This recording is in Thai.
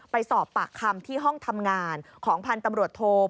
ไปสอบปากคำที่ห้องทำงานของพันธ์ตำรวจโท